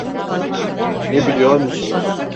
Ne biliyor musunuz?